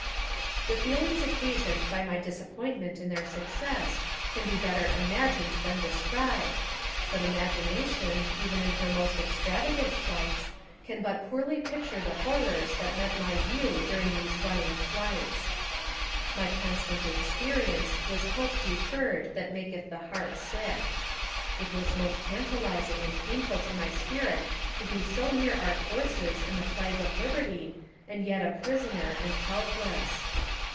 The feelings occasioned by my disappointment in their success can be better imagined than described, but imagination, even in her most extravagant flights, 102 NARRATIVE OF CAPTIVITY can but poorly picture the horrors that met my view during these running flights. My constant experience was hope deferred that maketh the heart sick. It was most tantalizing and painful to my spirit to be so near our forces and the flag of liberty, and yet a prisoner and helpless.